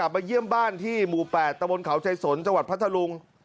ไปเยี่ยมบ้านที่หมู่๘ตะวนเขาชายสนจพัทธาลุง